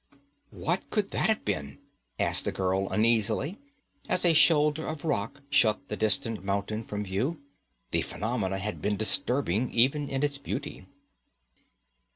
'What could that have been?' asked the girl uneasily, as a shoulder of rock shut the distant mountain from view; the phenomenon had been disturbing, even in its beauty.